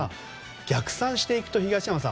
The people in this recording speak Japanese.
逆算していくと東山さん